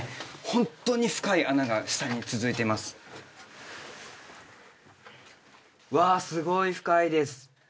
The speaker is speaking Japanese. ホントに深い穴が下に続いてますわあすごい深いです